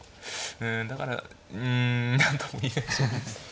うんだからうん何とも言えない将棋でしたね。